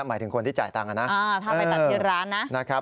หมายถึงคนที่จ่ายตังค์นะถ้าไปตัดที่ร้านนะนะครับ